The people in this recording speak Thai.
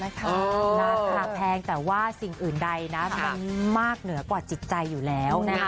ราคาแพงแต่ว่าสิ่งอื่นใดนะมันมากเหนือกว่าจิตใจอยู่แล้วนะคะ